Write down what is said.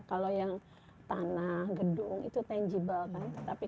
kalau yang tanah gedung itu tangible kan